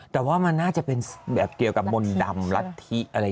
แต่ว่ามันน่าจะเป็นแบบเกี่ยวกับมนต์ดำรัฐธิอะไร